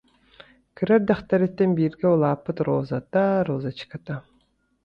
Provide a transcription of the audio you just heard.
Кыра эрдэхтэриттэн бииргэ улааппыт Розата, Розочката